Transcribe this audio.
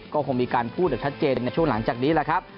ก็คงมีการพูดอย่างชัดเจนในช่วงหลังจากนี้แหละครับ